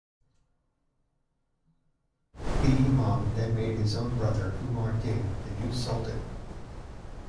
The Imam then made his own brother, Umar Din, the new Sultan.